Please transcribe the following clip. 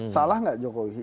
salah nggak jokowi